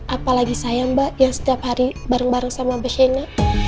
apalagi saya mbak yang setiap hari bareng bareng sama beshena